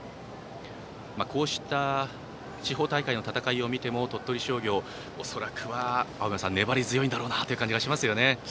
こうした地方大会の戦いを見ても鳥取商業は恐らくは粘り強いんだろうなという感じがしますね。